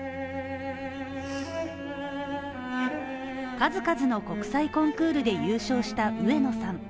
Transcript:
数々の国際コンクールで優勝した上野さん